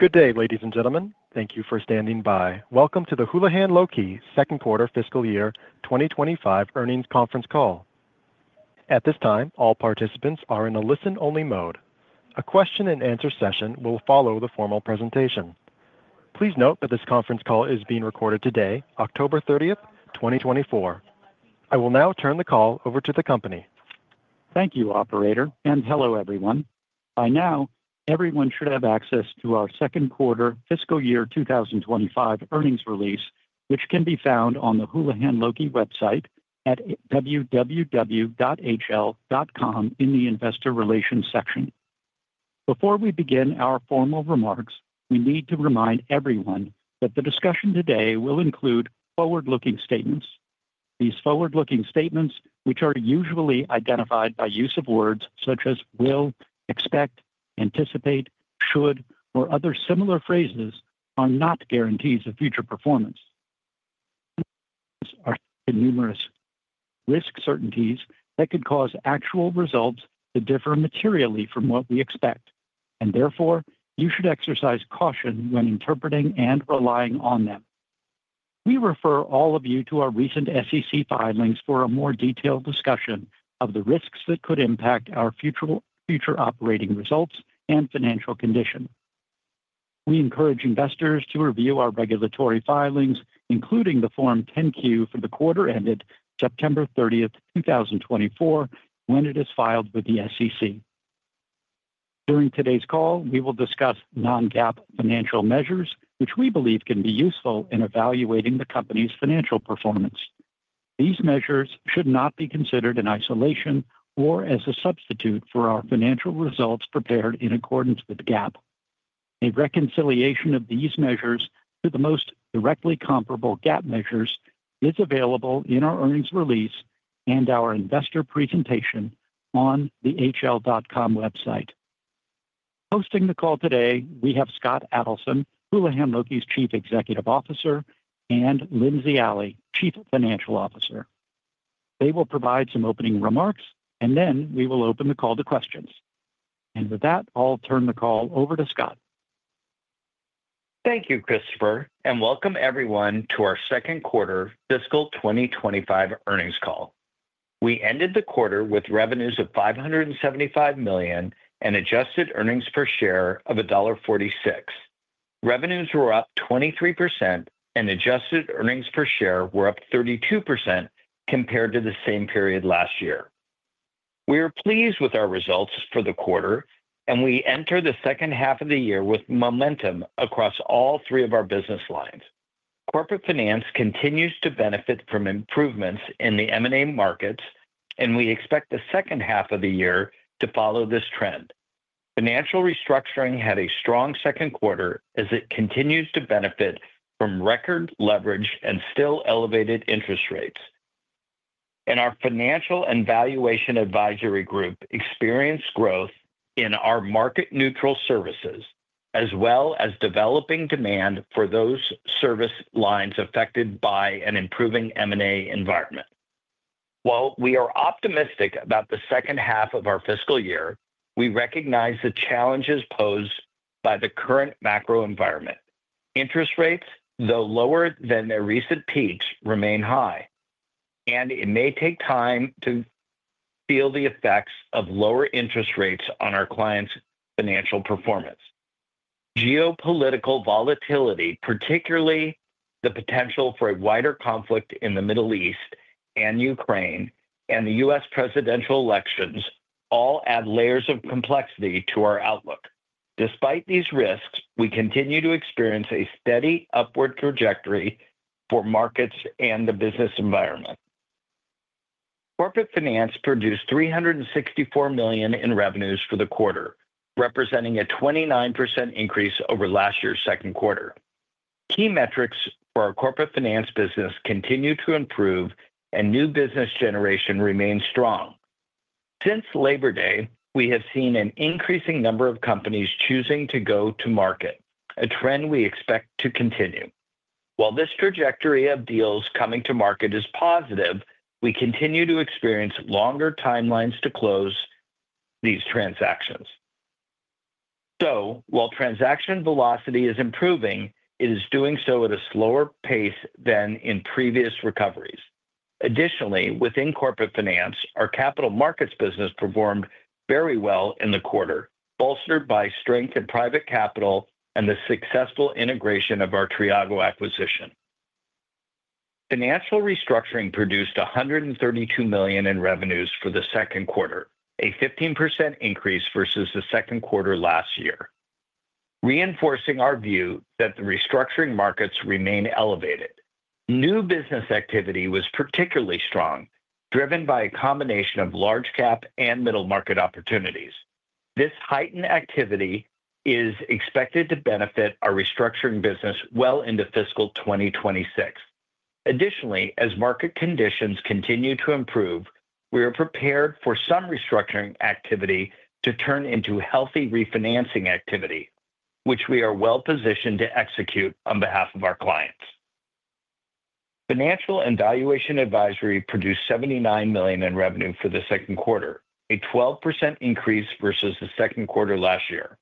Good day, ladies and gentlemen. Thank you for standing by. Welcome to the Houlihan Lokey Second Quarter Fiscal Year 2025 Earnings Conference Call. At this time, all participants are in a listen-only mode. A question-and-answer session will follow the formal presentation. Please note that this conference call is being recorded today, October 30th, 2024. I will now turn the call over to the company. Thank you, Operator, and hello everyone. By now, everyone should have access to our Second Quarter Fiscal Year 2025 earnings release, which can be found on the Houlihan Lokey website at www.hl.com in the Investor Relations section. Before we begin our formal remarks, we need to remind everyone that the discussion today will include forward-looking statements. These forward-looking statements, which are usually identified by use of words such as will, expect, anticipate, should, or other similar phrases, are not guarantees of future performance. There are numerous risks and uncertainties that could cause actual results to differ materially from what we expect, and therefore you should exercise caution when interpreting and relying on them. We refer all of you to our recent SEC filings for a more detailed discussion of the risks that could impact our future operating results and financial condition. We encourage investors to review our regulatory filings, including the Form 10-Q for the quarter ended September 30th, 2024, when it is filed with the SEC. During today's call, we will discuss non-GAAP financial measures, which we believe can be useful in evaluating the company's financial performance. These measures should not be considered in isolation or as a substitute for our financial results prepared in accordance with GAAP. A reconciliation of these measures to the most directly comparable GAAP measures is available in our earnings release and our investor presentation on the hl.com website. Hosting the call today, we have Scott Adelson, Houlihan Lokey's Chief Executive Officer, and Lindsey Alley, Chief Financial Officer. They will provide some opening remarks, and then we will open the call to questions, and with that, I'll turn the call over to Scott. Thank you, Christopher, and welcome everyone to our Second Quarter Fiscal 2025 earnings call. We ended the quarter with revenues of $575 million and adjusted earnings per share of $1.46. Revenues were up 23%, and adjusted earnings per share were up 32% compared to the same period last year. We are pleased with our results for the quarter, and we enter the second half of the year with momentum across all three of our business lines. Corporate Finance continues to benefit from improvements in the M&A markets, and we expect the second half of the year to follow this trend. Financial Restructuring had a strong second quarter as it continues to benefit from record leverage and still elevated interest rates. And our Financial and Valuation Advisory group experienced growth in our market-neutral services, as well as developing demand for those service lines affected by an improving M&A environment. While we are optimistic about the second half of our fiscal year, we recognize the challenges posed by the current macro environment. Interest rates, though lower than their recent peaks, remain high, and it may take time to feel the effects of lower interest rates on our clients' financial performance. Geopolitical volatility, particularly the potential for a wider conflict in the Middle East and Ukraine and the U.S. presidential elections, all add layers of complexity to our outlook. Despite these risks, we continue to experience a steady upward trajectory for markets and the business environment. Corporate Finance produced $364 million in revenues for the quarter, representing a 29% increase over last year's second quarter. Key metrics for our Corporate Finance business continue to improve, and new business generation remains strong. Since Labor Day, we have seen an increasing number of companies choosing to go to market, a trend we expect to continue. While this trajectory of deals coming to market is positive, we continue to experience longer timelines to close these transactions. So, while transaction velocity is improving, it is doing so at a slower pace than in previous recoveries. Additionally, within corporate finance, our capital markets business performed very well in the quarter, bolstered by strength in private capital and the successful integration of our Triago acquisition. Financial restructuring produced $132 million in revenues for the second quarter, a 15% increase versus the second quarter last year, reinforcing our view that the restructuring markets remain elevated. New business activity was particularly strong, driven by a combination of large-cap and middle-market opportunities. This heightened activity is expected to benefit our restructuring business well into fiscal 2026. Additionally, as market conditions continue to improve, we are prepared for some restructuring activity to turn into healthy refinancing activity, which we are well-positioned to execute on behalf of our clients. Financial and Valuation Advisory produced $79 million in revenue for the second quarter, a 12% increase versus the second quarter last year.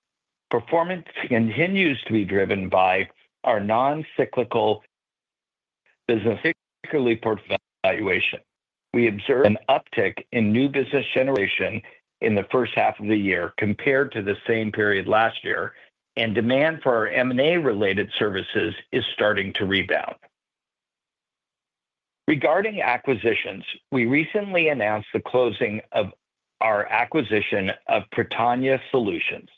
Performance continues to be driven by our non-cyclical business, particularly Portfolio Valuation. We observed an uptick in new business generation in the first half of the year compared to the same period last year, and demand for our M&A-related services is starting to rebound. Regarding acquisitions, we recently announced the closing of our acquisition of Prytania Solutions.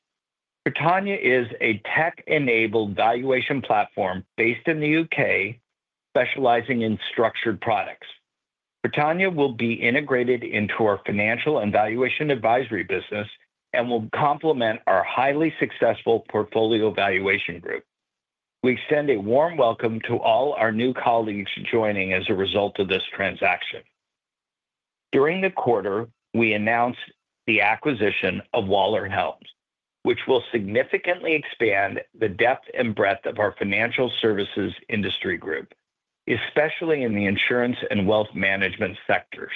Prytania is a tech-enabled valuation platform based in the U.K., specializing in Structured Products. Prytania will be integrated into our Financial and Valuation Advisory business and will complement our highly successful Portfolio Valuation group. We extend a warm welcome to all our new colleagues joining as a result of this transaction. During the quarter, we announced the acquisition of Waller Helms, which will significantly expand the depth and breadth of our financial services industry group, especially in the insurance and wealth management sectors,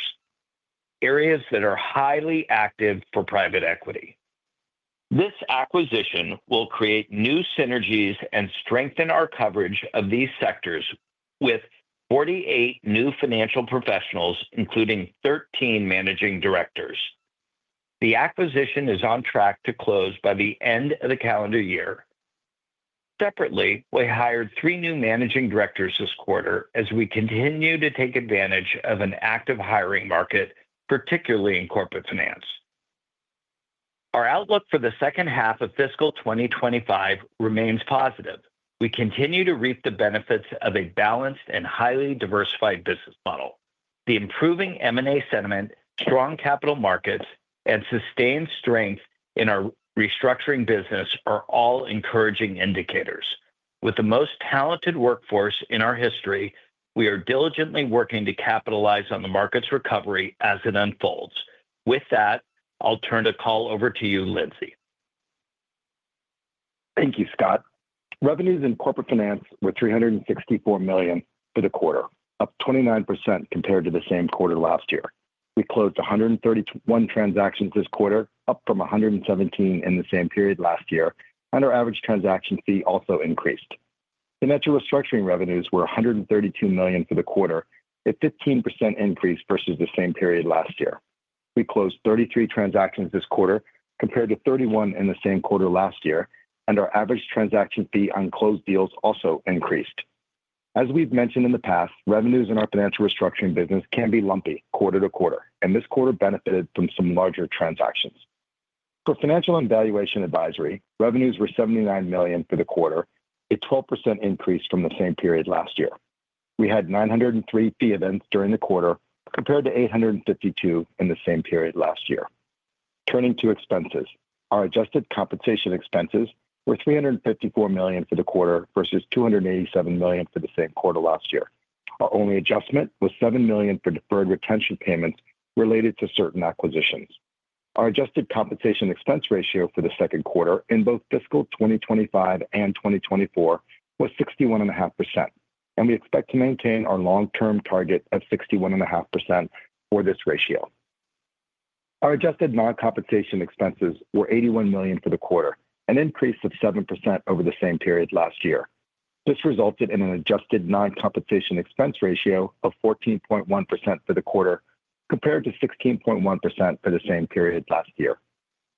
areas that are highly active for private equity. This acquisition will create new synergies and strengthen our coverage of these sectors with 48 new financial professionals, including 13 managing directors. The acquisition is on track to close by the end of the calendar year. Separately, we hired three new managing directors this quarter as we continue to take advantage of an active hiring market, particularly in corporate finance. Our outlook for the second half of fiscal 2025 remains positive. We continue to reap the benefits of a balanced and highly diversified business model. The improving M&A sentiment, strong capital markets, and sustained strength in our restructuring business are all encouraging indicators. With the most talented workforce in our history, we are diligently working to capitalize on the market's recovery as it unfolds. With that, I'll turn the call over to you, Lindsey. Thank you, Scott. Revenues in Corporate Finance were $364 million for the quarter, up 29% compared to the same quarter last year. We closed 131 transactions this quarter, up from 117 in the same period last year, and our average transaction fee also increased. Financial Restructuring revenues were $132 million for the quarter, a 15% increase versus the same period last year. We closed 33 transactions this quarter compared to 31 in the same quarter last year, and our average transaction fee on closed deals also increased. As we've mentioned in the past, revenues in our Financial Restructuring business can be lumpy quarter to quarter, and this quarter benefited from some larger transactions. For Financial and Valuation Advisory, revenues were $79 million for the quarter, a 12% increase from the same period last year. We had 903 fee events during the quarter compared to 852 in the same period last year. Turning to expenses, our adjusted compensation expenses were $354 million for the quarter versus $287 million for the same quarter last year. Our only adjustment was $7 million for deferred retention payments related to certain acquisitions. Our adjusted compensation expense ratio for the second quarter in both fiscal 2025 and 2024 was 61.5%, and we expect to maintain our long-term target of 61.5% for this ratio. Our adjusted non-compensation expenses were $81 million for the quarter, an increase of 7% over the same period last year. This resulted in an adjusted non-compensation expense ratio of 14.1% for the quarter compared to 16.1% for the same period last year.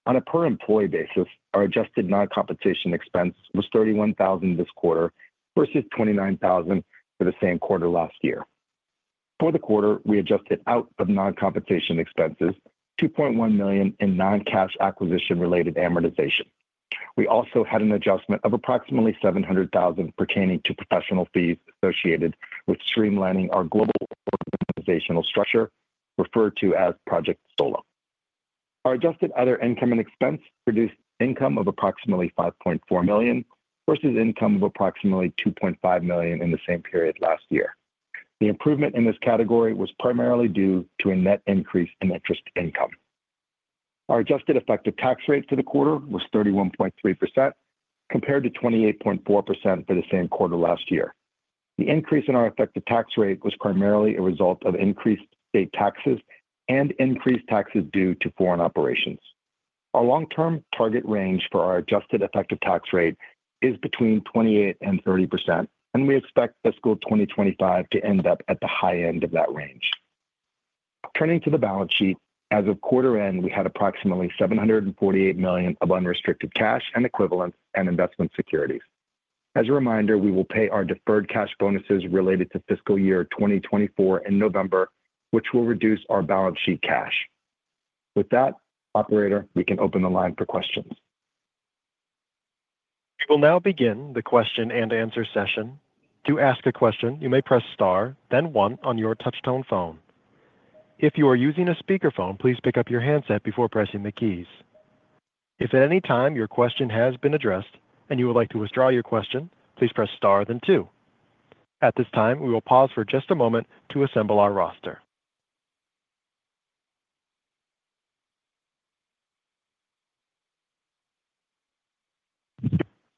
On a per-employee basis, our adjusted non-compensation expense was $31,000 this quarter versus $29,000 for the same quarter last year. For the quarter, we adjusted out of non-compensation expenses $2.1 million in non-cash acquisition-related amortization. We also had an adjustment of approximately $700,000 pertaining to professional fees associated with streamlining our global organizational structure, referred to as Project SOLO. Our adjusted other income and expense produced income of approximately $5.4 million versus income of approximately $2.5 million in the same period last year. The improvement in this category was primarily due to a net increase in interest income. Our adjusted effective tax rate for the quarter was 31.3% compared to 28.4% for the same quarter last year. The increase in our effective tax rate was primarily a result of increased state taxes and increased taxes due to foreign operations. Our long-term target range for our adjusted effective tax rate is between 28% and 30%, and we expect fiscal 2025 to end up at the high end of that range. Turning to the balance sheet, as of quarter end, we had approximately $748 million of unrestricted cash and equivalents and investment securities. As a reminder, we will pay our deferred cash bonuses related to fiscal year 2024 in November, which will reduce our balance sheet cash. With that, Operator, we can open the line for questions. We will now begin the question and answer session. To ask a question, you may press star, then one on your touch-tone phone. If you are using a speakerphone, please pick up your handset before pressing the keys. If at any time your question has been addressed and you would like to withdraw your question, please press star, then two. At this time, we will pause for just a moment to assemble our roster,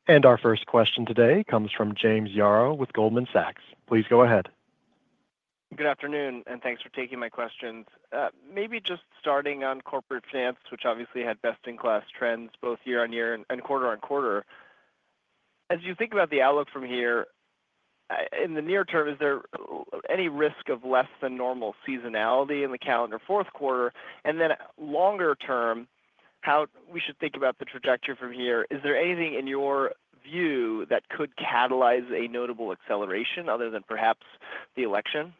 and our first question today comes from James Yaro with Goldman Sachs. Please go ahead. Good afternoon, and thanks for taking my questions. Maybe just starting on corporate finance, which obviously had best-in-class trends both year on year and quarter on quarter. As you think about the outlook from here, in the near term, is there any risk of less-than-normal seasonality in the calendar fourth quarter? And then longer term, how we should think about the trajectory from here, is there anything in your view that could catalyze a notable acceleration other than perhaps the election?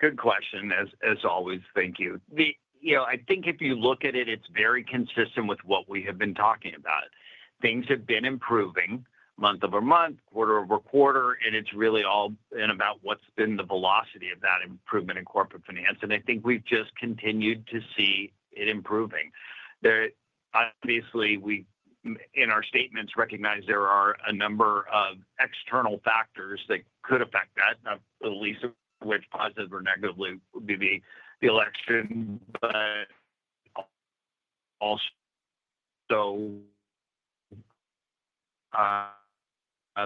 Good question, as always. Thank you. I think if you look at it, it's very consistent with what we have been talking about. Things have been improving month over month, quarter over quarter, and it's really all been about what's been the velocity of that improvement in Corporate Finance. And I think we've just continued to see it improving. Obviously, we in our statements recognize there are a number of external factors that could affect that, at least which positive or negatively would be the election. But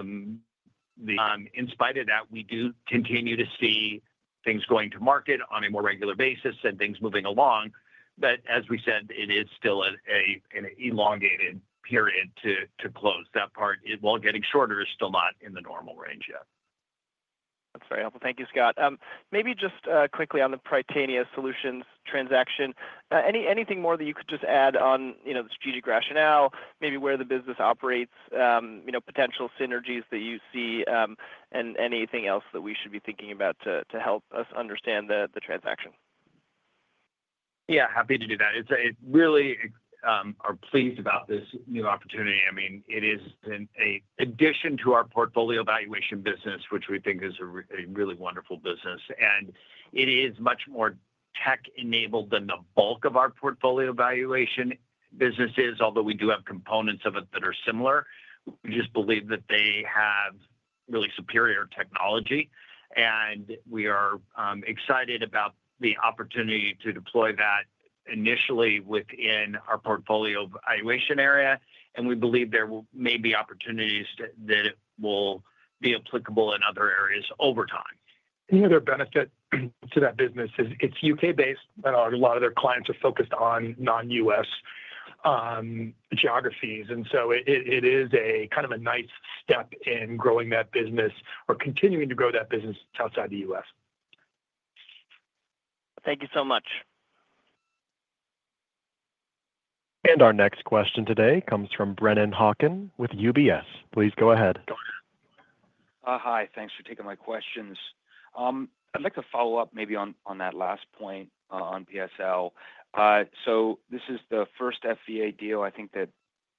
in spite of that, we do continue to see things going to market on a more regular basis and things moving along. But as we said, it is still an elongated period to close. That part, while getting shorter, is still not in the normal range yet. That's very helpful. Thank you, Scott. Maybe just quickly on the Prytania Solutions transaction, anything more that you could just add on the strategic rationale, maybe where the business operates, potential synergies that you see, and anything else that we should be thinking about to help us understand the transaction? Yeah, happy to do that. Really are pleased about this new opportunity. I mean, it is an addition to our portfolio valuation business, which we think is a really wonderful business, and it is much more tech-enabled than the bulk of our portfolio valuation businesses, although we do have components of it that are similar. We just believe that they have really superior technology, and we are excited about the opportunity to deploy that initially within our portfolio valuation area, and we believe there may be opportunities that will be applicable in other areas over time. Any other benefit to that business is it's U.K.-based, and a lot of their clients are focused on non-U.S. geographies. And so it is a kind of a nice step in growing that business or continuing to grow that business outside the U.S. Thank you so much. And our next question today comes from Brennan Hawken with UBS. Please go ahead. Hi, thanks for taking my questions. I'd like to follow up maybe on that last point on PSL. So this is the first FVA deal I think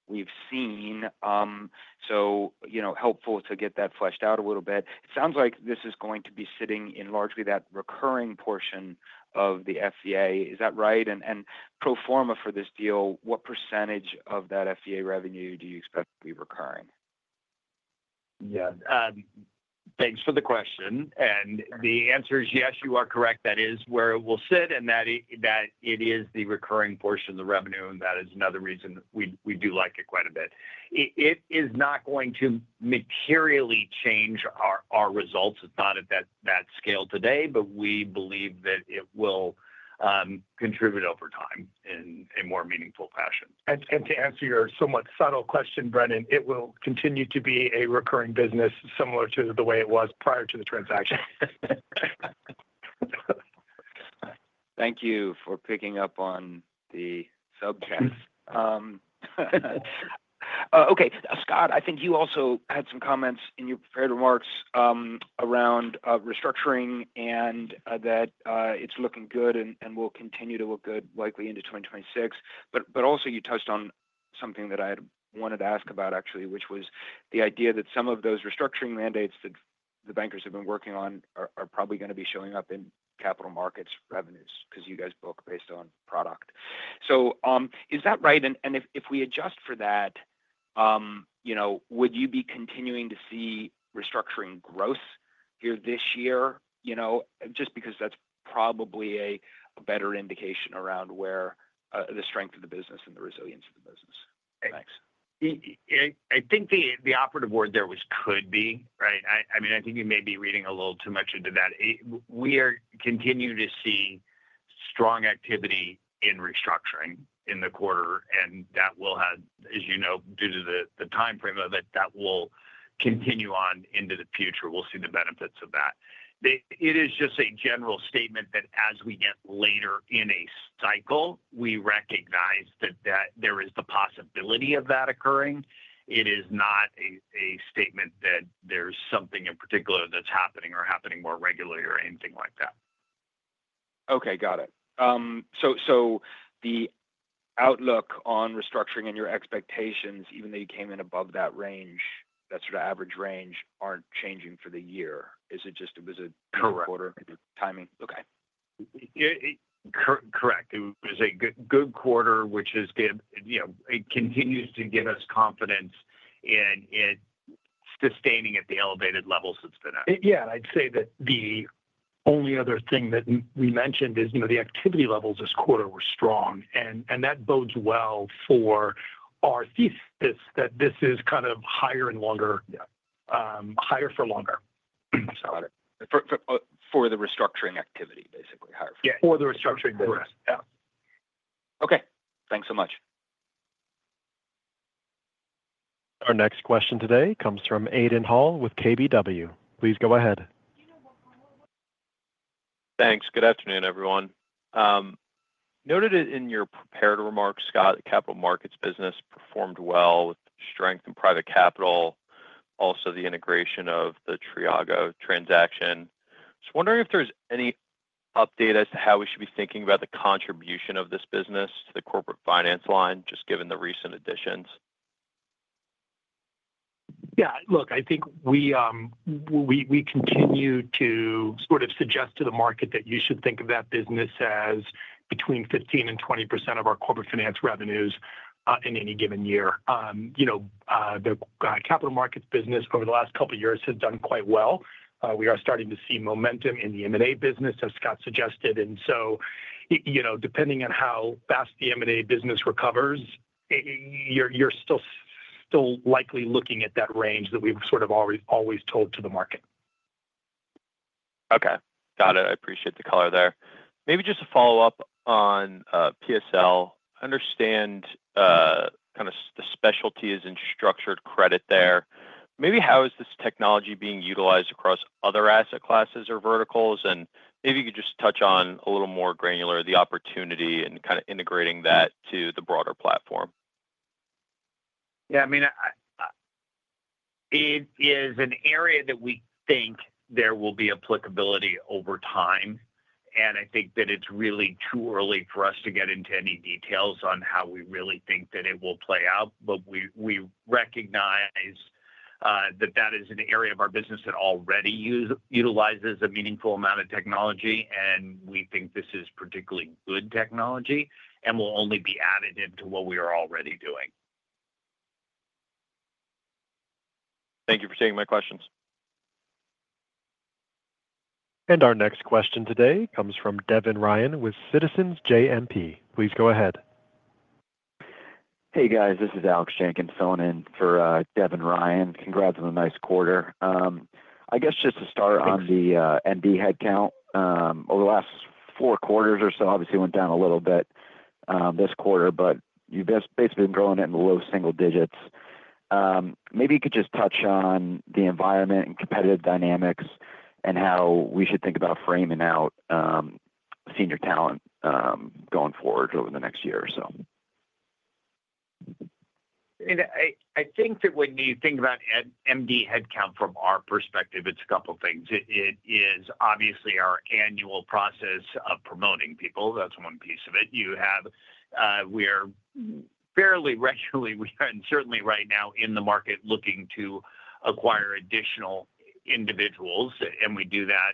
that we've seen. So helpful to get that fleshed out a little bit. It sounds like this is going to be sitting in largely that recurring portion of the FVA. Is that right, and pro forma for this deal, what percentage of that FVA revenue do you expect to be recurring? Yeah. Thanks for the question. And the answer is yes, you are correct. That is where it will sit, and that it is the recurring portion of the revenue. And that is another reason we do like it quite a bit. It is not going to materially change our results. It's not at that scale today, but we believe that it will contribute over time in a more meaningful fashion. To answer your somewhat subtle question, Brennan, it will continue to be a recurring business similar to the way it was prior to the transaction. Thank you for picking up on the subject. Okay. Scott, I think you also had some comments in your prepared remarks around restructuring and that it's looking good and will continue to look good likely into 2026. But also you touched on something that I wanted to ask about, actually, which was the idea that some of those restructuring mandates that the bankers have been working on are probably going to be showing up in capital markets revenues because you guys book based on product. So is that right? And if we adjust for that, would you be continuing to see restructuring growth here this year? Just because that's probably a better indication around the strength of the business and the resilience of the business. Thanks. I think the operative word there was could be, right? I mean, I think you may be reading a little too much into that. We continue to see strong activity in restructuring in the quarter, and that will have, as you know, due to the timeframe of it, that will continue on into the future. We'll see the benefits of that. It is just a general statement that as we get later in a cycle, we recognize that there is the possibility of that occurring. It is not a statement that there's something in particular that's happening or happening more regularly or anything like that. Okay. Got it. So the outlook on restructuring and your expectations, even though you came in above that range, that sort of average range aren't changing for the year. Is it just a quarter? Correct. Timing? Okay. Correct. It was a good quarter, which continues to give us confidence in it sustaining at the elevated levels it's been at. Yeah, and I'd say that the only other thing that we mentioned is the activity levels this quarter were strong, and that bodes well for our thesis that this is kind of higher for longer. For the restructuring activity, basically. Yeah. For the restructuring business. Okay. Thanks so much. Our next question today comes from Aidan Hall with KBW. Please go ahead. Thanks. Good afternoon, everyone. I noted it in your prepared remarks, Scott, that capital markets business performed well with strength in private capital, also the integration of the Triago transaction. I was wondering if there's any update as to how we should be thinking about the contribution of this business to the corporate finance line, just given the recent additions. Yeah. Look, I think we continue to sort of suggest to the market that you should think of that business as between 15% and 20% of our corporate finance revenues in any given year. The capital markets business over the last couple of years has done quite well. We are starting to see momentum in the M&A business, as Scott suggested, and so depending on how fast the M&A business recovers, you're still likely looking at that range that we've sort of always told to the market. Okay. Got it. I appreciate the color there. Maybe just a follow-up on PSL. I understand kind of the specialty is in structured credit there. Maybe how is this technology being utilized across other asset classes or verticals? And maybe you could just touch on a little more granular the opportunity and kind of integrating that to the broader platform. Yeah. I mean, it is an area that we think there will be applicability over time. And I think that it's really too early for us to get into any details on how we really think that it will play out. But we recognize that that is an area of our business that already utilizes a meaningful amount of technology. And we think this is particularly good technology and will only be additive to what we are already doing. Thank you for taking my questions. And our next question today comes from Devin Ryan with Citizens JMP. Please go ahead. Hey, guys. This is Alex Jenkins filling in for Devin Ryan. Congrats on the nice quarter. I guess just to start on the MD headcount, over the last four quarters or so, obviously went down a little bit this quarter, but you've basically been growing it in the low single digits. Maybe you could just touch on the environment and competitive dynamics and how we should think about framing out senior talent going forward over the next year or so. I think that when you think about MD headcount from our perspective, it's a couple of things. It is obviously our annual process of promoting people. That's one piece of it. We are fairly regularly and certainly right now in the market looking to acquire additional individuals. And we do that,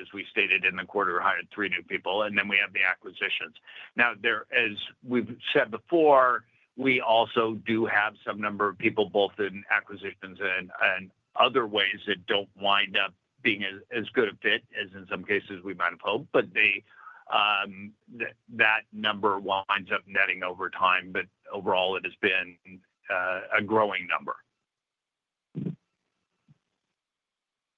as we stated in the quarter, hired three new people. And then we have the acquisitions. Now, as we've said before, we also do have some number of people both in acquisitions and other ways that don't wind up being as good a fit as in some cases we might have hoped. But that number winds up netting over time. But overall, it has been a growing number.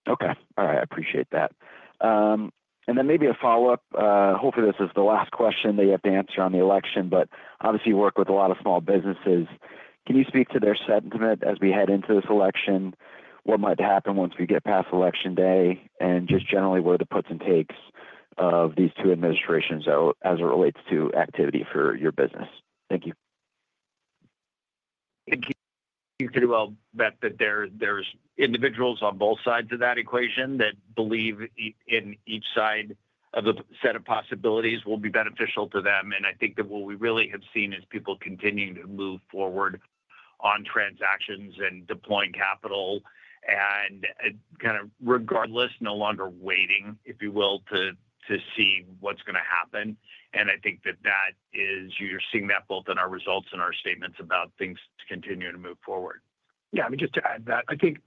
Okay. All right. I appreciate that. And then maybe a follow-up. Hopefully, this is the last question they have to answer on the election. But obviously, you work with a lot of small businesses. Can you speak to their sentiment as we head into this election? What might happen once we get past election day? And just generally, what are the puts and takes of these two administrations as it relates to activity for your business? Thank you. You could well bet that there's individuals on both sides of that equation that believe in each side of the set of possibilities will be beneficial to them, and I think that what we really have seen is people continuing to move forward on transactions and deploying capital and kind of regardless, no longer waiting, if you will, to see what's going to happen. I think that you're seeing that both in our results and our statements about things continuing to move forward. Yeah. I mean, just to add that, I think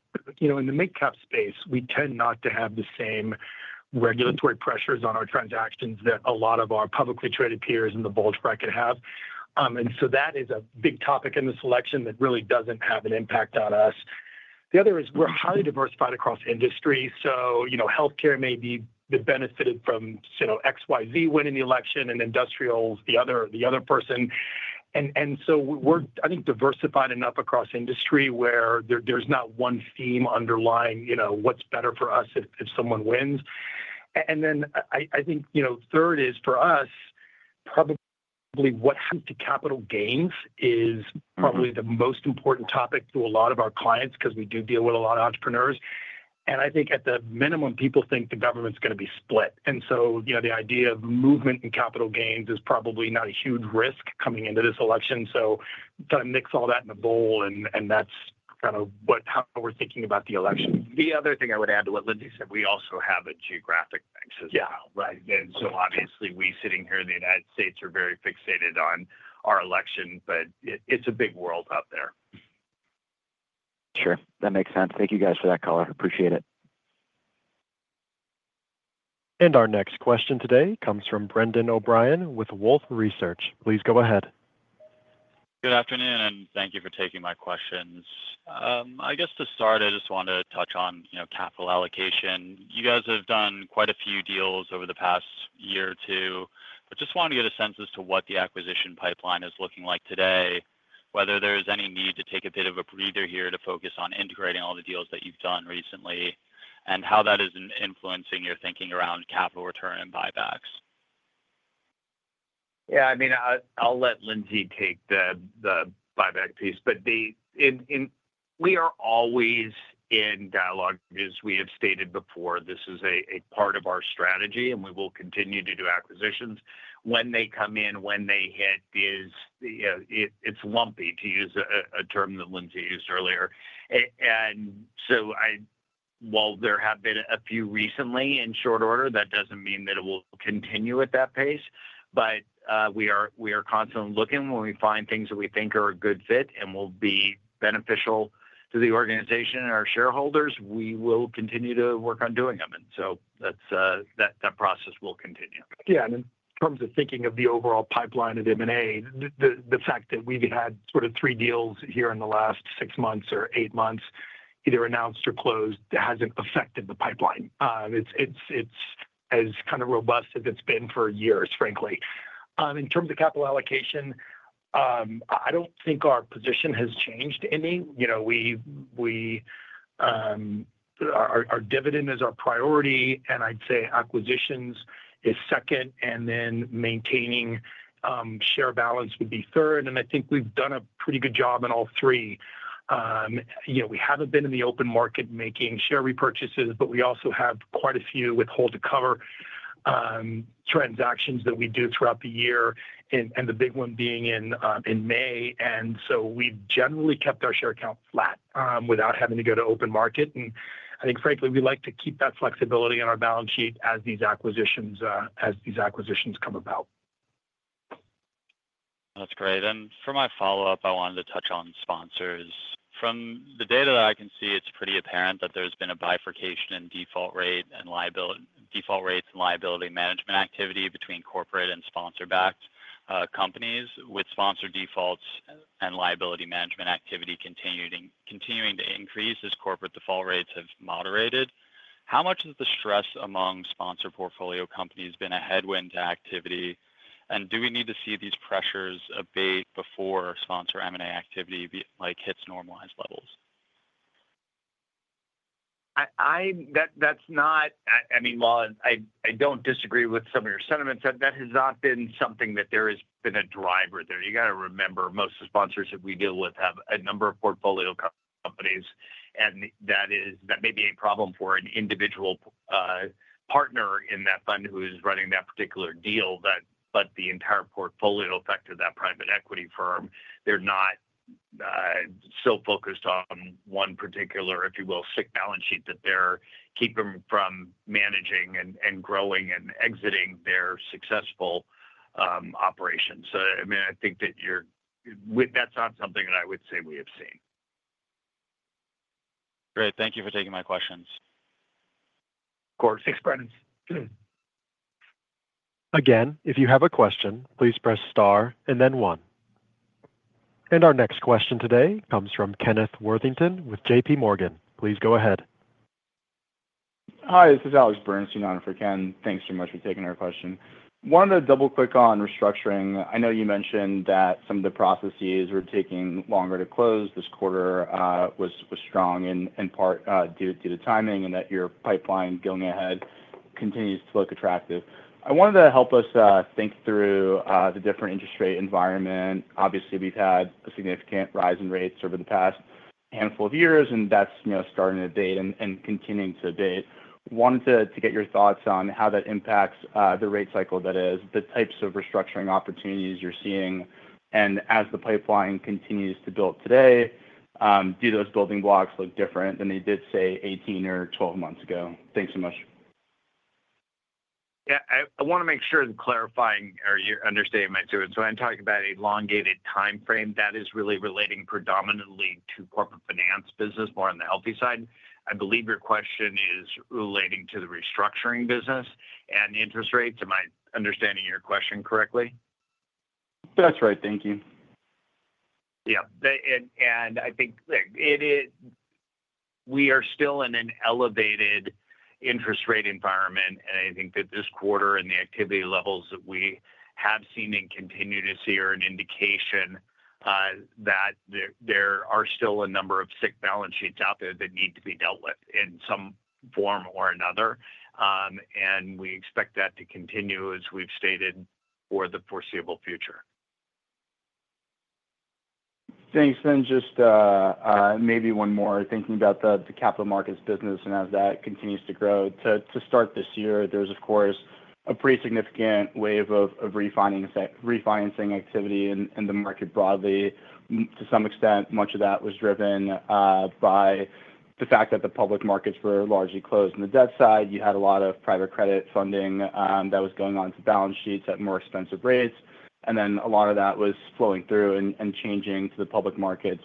in the mid-cap space, we tend not to have the same regulatory pressures on our transactions that a lot of our publicly traded peers in the bulge bracket have. And so that is a big topic in this election that really doesn't have an impact on us. The other is we're highly diversified across industry. So healthcare may be benefited from XYZ winning the election and industrials, the other person. And so we're, I think, diversified enough across industry where there's not one theme underlying what's better for us if someone wins. And then I think third is for us, probably what happens to capital gains is probably the most important topic to a lot of our clients because we do deal with a lot of entrepreneurs. And I think at the minimum, people think the government's going to be split. And so the idea of movement in capital gains is probably not a huge risk coming into this election. So kind of mix all that in a bowl, and that's kind of how we're thinking about the election. The other thing I would add to what Lindsey said, we also have a geographic thing as well, and so obviously, we sitting here in the United States are very fixated on our election, but it's a big world out there. Sure. That makes sense. Thank you guys for that color. Appreciate it. And our next question today comes from Brendan O'Brien with Wolfe Research. Please go ahead. Good afternoon, and thank you for taking my questions. I guess to start, I just want to touch on capital allocation. You guys have done quite a few deals over the past year or two, but just wanted to get a sense as to what the acquisition pipeline is looking like today, whether there's any need to take a bit of a breather here to focus on integrating all the deals that you've done recently, and how that is influencing your thinking around capital return and buybacks. Yeah. I mean, I'll let Lindsey take the buyback piece, but we are always in dialogue, as we have stated before. This is a part of our strategy, and we will continue to do acquisitions. When they come in, when they hit, it's lumpy, to use a term that Lindsey used earlier, and so while there have been a few recently in short order, that doesn't mean that it will continue at that pace, but we are constantly looking. When we find things that we think are a good fit and will be beneficial to the organization and our shareholders, we will continue to work on doing them, and so that process will continue. Yeah. And in terms of thinking of the overall pipeline of M&A, the fact that we've had sort of three deals here in the last six months or eight months, either announced or closed, hasn't affected the pipeline. It's as kind of robust as it's been for years, frankly. In terms of capital allocation, I don't think our position has changed any. Our dividend is our priority, and I'd say acquisitions is second, and then maintaining share balance would be third. And I think we've done a pretty good job in all three. We haven't been in the open market making share repurchases, but we also have quite a few withhold-to-cover transactions that we do throughout the year, and the big one being in May. And so we've generally kept our share count flat without having to go to open market. I think, frankly, we like to keep that flexibility in our balance sheet as these acquisitions come about. That's great, and for my follow-up, I wanted to touch on sponsors. From the data that I can see, it's pretty apparent that there's been a bifurcation in default rates and liability management activity between corporate and sponsor-backed companies, with sponsor defaults and liability management activity continuing to increase as corporate default rates have moderated. How much has the stress among sponsor portfolio companies been a headwind to activity? And do we need to see these pressures abate before sponsor M&A activity hits normalized levels? I mean, while I don't disagree with some of your sentiments, that has not been something that there has been a driver there. You got to remember, most of the sponsors that we deal with have a number of portfolio companies. And that may be a problem for an individual partner in that fund who is running that particular deal, but the entire portfolio effect of that private equity firm, they're not so focused on one particular, if you will, sick balance sheet that they're keeping from managing and growing and exiting their successful operations. So I mean, I think that that's not something that I would say we have seen. Great. Thank you for taking my questions. Of course. Thanks, Brendan. Again, if you have a question, please press star and then one. And our next question today comes from Kenneth Worthington with JPMorgan. Please go ahead. Hi. This is Alex Bernstein on for Ken. Thanks so much for taking our question. Wanted to double-click on restructuring. I know you mentioned that some of the processes were taking longer to close. This quarter was strong in part due to timing and that your pipeline going ahead continues to look attractive. I wanted to help us think through the different interest rate environment. Obviously, we've had a significant rise in rates over the past handful of years, and that's starting to abate and continuing to abate. Wanted to get your thoughts on how that impacts the rate cycle that is, the types of restructuring opportunities you're seeing. And as the pipeline continues to build today, do those building blocks look different than they did, say, 18 months or 12 months ago? Thanks so much. Yeah. I want to make sure I'm clarifying your understatement too. So when I talk about elongated timeframe, that is really relating predominantly to corporate finance business, more on the healthy side. I believe your question is relating to the restructuring business and interest rates. Am I understanding your question correctly? That's right. Thank you. Yeah. And I think we are still in an elevated interest rate environment. And I think that this quarter and the activity levels that we have seen and continue to see are an indication that there are still a number of sick balance sheets out there that need to be dealt with in some form or another. And we expect that to continue, as we've stated, for the foreseeable future. Thanks. Then just maybe one more. Thinking about the capital markets business and as that continues to grow to start this year, there's, of course, a pretty significant wave of refinancing activity in the market broadly. To some extent, much of that was driven by the fact that the public markets were largely closed. On the debt side, you had a lot of private credit funding that was going onto balance sheets at more expensive rates. And then a lot of that was flowing through and changing to the public markets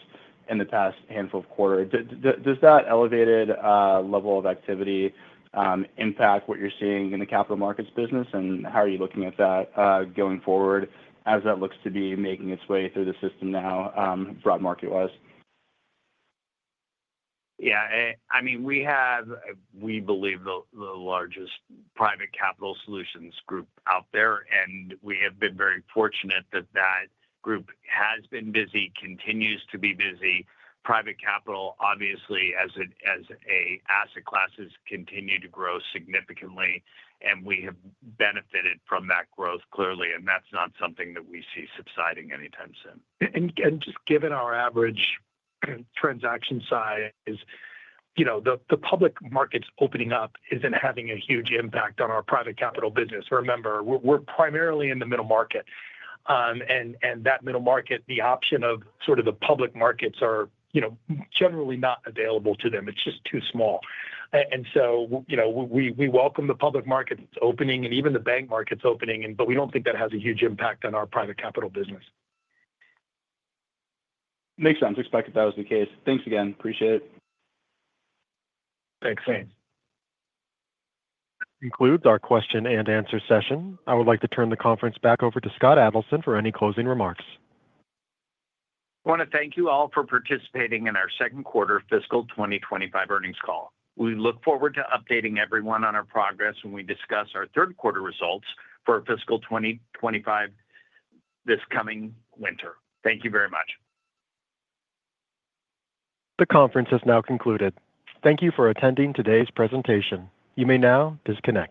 in the past handful of quarters. Does that elevated level of activity impact what you're seeing in the capital markets business? And how are you looking at that going forward as that looks to be making its way through the system now, broad market-wise? Yeah. I mean, we believe the largest private capital solutions group out there. And we have been very fortunate that that group has been busy, continues to be busy. Private capital, obviously, as an asset class, has continued to grow significantly. And we have benefited from that growth, clearly. And that's not something that we see subsiding anytime soon. And just given our average transaction size, the public markets opening up isn't having a huge impact on our private capital business. Remember, we're primarily in the middle market. And that middle market, the option of sort of the public markets are generally not available to them. It's just too small. And so we welcome the public markets opening and even the bank markets opening. But we don't think that has a huge impact on our private capital business. Makes sense. Expected that was the case. Thanks again. Appreciate it. Thanks. That concludes our question and answer session. I would like to turn the conference back over to Scott Adelson for any closing remarks. I want to thank you all for participating in our second quarter fiscal 2025 earnings call. We look forward to updating everyone on our progress when we discuss our third quarter results for fiscal 2025 this coming winter. Thank you very much. The conference has now concluded. Thank you for attending today's presentation. You may now disconnect.